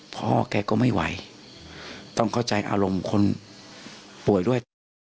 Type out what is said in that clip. พ่อแกก็ไม่ไหวต้องเข้าใจอารมณ์คนป่วยด้วย